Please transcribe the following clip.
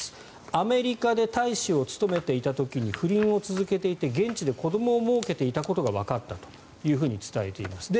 アメリカで大使を務めていた時に不倫を続けていて現地で子どもをもうけていたことがわかったと伝えられています。